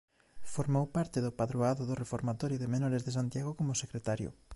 Formou parte do Padroado do Reformatorio de Menores de Santiago como secretario.